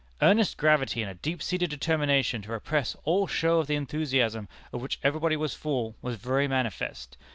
Earnest gravity and a deep seated determination to repress all show of the enthusiasm of which everybody was full, was very manifest.